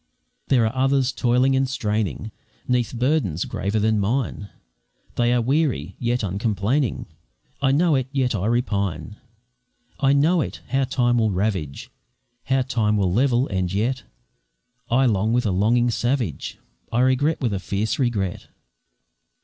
There are others toiling and straining 'Neath burdens graver than mine They are weary, yet uncomplaining I know it, yet I repine; I know it, how time will ravage, How time will level, and yet I long with a longing savage, I regret with a fierce regret.